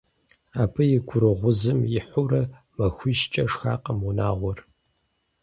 Абы и гурыгъузым ихьурэ, махуищкӀэ шхакъым унагъуэр.